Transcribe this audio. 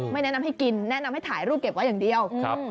แนะนำให้กินแนะนำให้ถ่ายรูปเก็บไว้อย่างเดียว